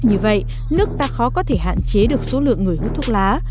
tương ứng với điều này việt nam cũng không thể hạn chế được số lượng người hút thuốc lá